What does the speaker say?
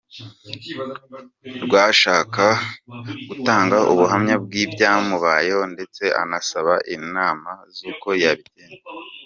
rw ashaka gutanga ubuhamya bw’ibyamubayeho ndetse anasaba inama z’uko yabigenza.